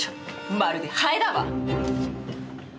まるでハエだわ！